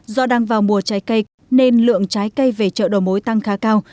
do đang vào mùa trái cây nên lượng trái cây về chợ đầu mối tăng khá cao